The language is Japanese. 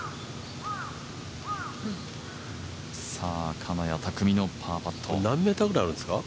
金谷拓実のパーパット。